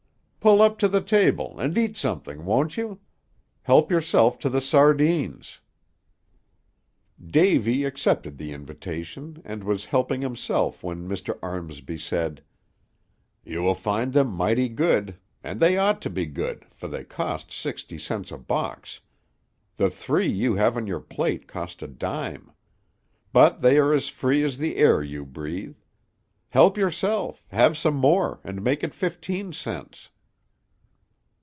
Pull up to the table and eat something, won't you? Help yourself to the sardines." Davy accepted the invitation, and was helping himself when Mr. Armsby said: "You will find them mighty good; and they ought to be good, for they cost sixty cents a box the three you have on your plate cost a dime. But they are as free as the air you breathe. Help yourself; have some more, and make it fifteen cents."